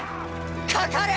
かかれ！